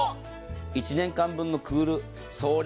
１年間分のクール便。